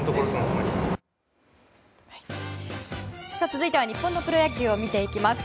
続いては日本のプロ野球を見ていきます。